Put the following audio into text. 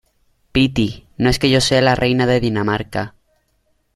piti, no es que yo sea la reina de Dinamarca